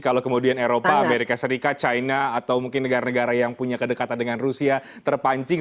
kalau kemudian eropa amerika serikat china atau mungkin negara negara yang punya kedekatan dengan rusia terpancing